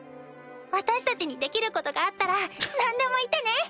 私たちにできることがあったら何でも言ってね！